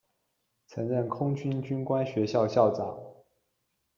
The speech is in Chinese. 曾任空军军官学校校长。